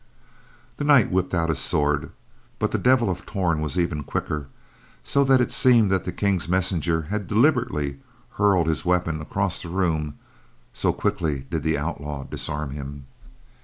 The knight whipped out his sword, but the Devil of Torn was even quicker, so that it seemed that the King's messenger had deliberately hurled his weapon across the room, so quickly did the outlaw disarm him.